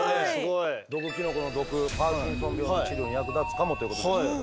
毒キノコの毒パーキンソン病の治療に役立つかもということでしたけれども。